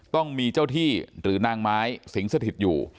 ต้องมีเจ้าที่หรือนางไม้สิงสถิตอยู่